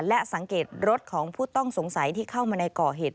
และสังเกตรถของผู้ต้องสงสัยที่เข้ามาในก่อเหตุ